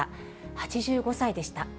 ８５歳でした。